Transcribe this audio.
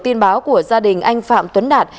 tin báo của gia đình anh phạm tuấn đạt